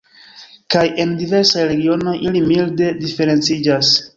Kaj en diversaj regionoj ili milde diferenciĝas.